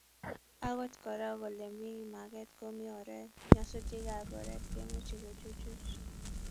Agot Kora kole Ole mi maget komi oret, nyasutikab oret kemuchi kechuchuch